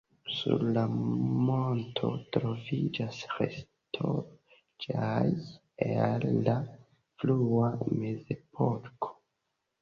Sur la monto troviĝas restaĵoj el la frua mezepoko.